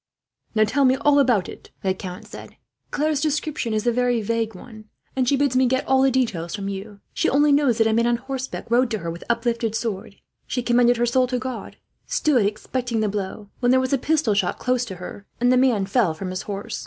"Now, tell me all about it," the count said. "Claire's description is a very vague one, and she bids me get all the details from you. She only knows that a man on horseback rode at her, with uplifted sword. She commended her soul to God, and stood expecting the blow; when there was a pistol shot, close to her, and the man fell from his horse.